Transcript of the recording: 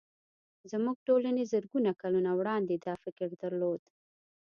زموږ ټولنې زرګونه کلونه وړاندې دا فکر درلود